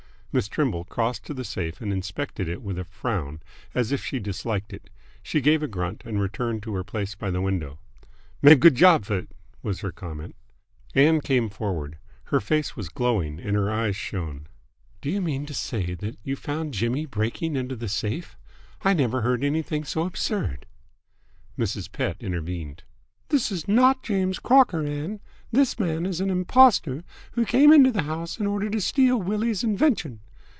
Miss Trimble crossed to the safe and inspected it with a frown, as if she disliked it. She gave a grunt and returned to her place by the window. "Made good job 'f it!" was her comment. Ann came forward. Her face was glowing and her eyes shone. "Do you mean to say that you found Jimmy breaking into the safe? I never heard anything so absurd!" Mrs. Pett intervened. "This is not James Crocker, Ann! This man is an impostor, who came into the house in order to steal Willie's invention."